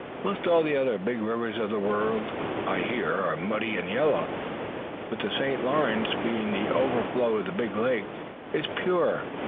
Most all the other big rivers of the world, I hear, are muddy and yellow, but the St. Lawrence, being the overflow of the big lakes, is pure.